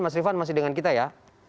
mas rifan masih dengan kita ya